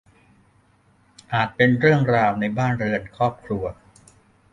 อาจเป็นเรื่องราวในบ้านเรือนครอบครัว